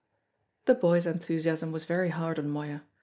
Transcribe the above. The boy's enthusiasm was very hard on Moya.